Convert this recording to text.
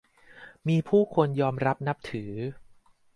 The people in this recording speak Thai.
มีผู้คนยอมรับนับถือ